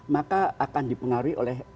maka akan dipengaruhi oleh